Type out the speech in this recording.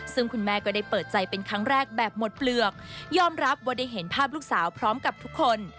ซึ่งคุณแม่ก็ได้เปิดใจเป็นครั้งแรกแบบหมดเปลือกยอมรับว่าได้เห็นภาพลูกสาวพร้อมกับทุกคน